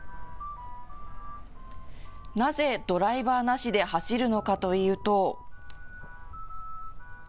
なぜ、ドライバーなしで走るのかというと。